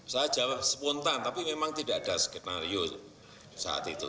saya jawab spontan tapi memang tidak ada skenario saat itu